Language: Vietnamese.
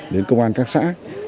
đến công an các xã